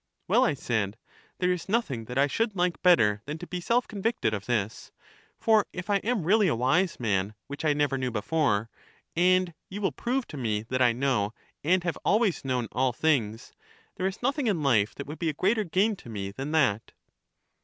Well, I said, there is nothing that I should like bet ter than to be self convicted of this, for if I am really a wise man, which I never knew before, and you will prove to me that I know and have always known all things, there is nothing in life that would be a greater gain to me than that.